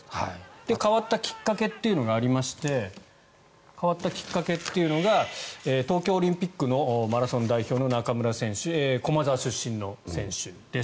変わったきっかけというのがありまして変わったきっかけというのが東京オリンピックマラソン代表の中村選手、駒澤出身の選手です。